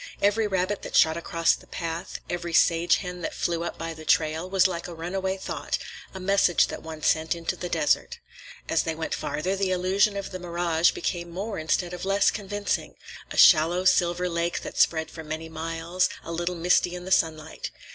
Every rabbit that shot across the path, every sage hen that flew up by the trail, was like a runaway thought, a message that one sent into the desert. As they went farther, the illusion of the mirage became more instead of less convincing; a shallow silver lake that spread for many miles, a little misty in the sunlight.